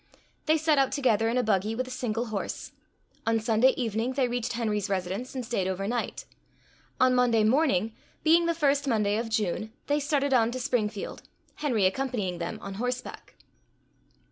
They set out together in a buggy with a single horse. On Sunday evening they reached Henry's residence, and stayed overnight. On Monday morning, being the first Monday of June, they started on to Springfield, Henry accompanying them on horseback.